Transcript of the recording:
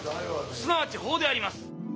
すなわち法であります」。